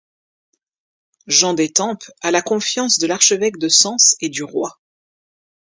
Jean d'Étampes a la confiance de l'archevêque de Sens et du Roi.